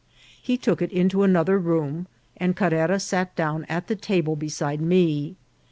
He took it into an other room, and Carrera sat down at the table beside me.